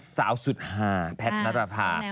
เศร้าสุดห่าแพทนัตภาษณ์